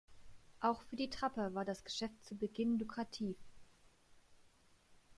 Auch für die Trapper war das Geschäft zu Beginn lukrativ.